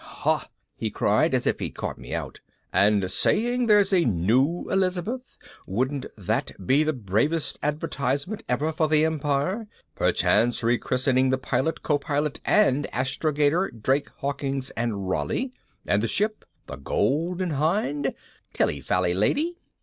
"Ha!" he cried as if he'd caught me out. "And saying there's a new Elizabeth, wouldn't that be the bravest advertisement ever for the Empire? perchance rechristening the pilot, copilot and astrogator Drake, Hawkins and Raleigh? And the ship The Golden Hind? Tilly fally, lady!"